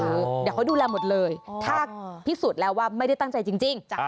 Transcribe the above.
เดี๋ยวเขาดูแลหมดเลยถ้าพิสูจน์แล้วว่าไม่ได้ตั้งใจจริง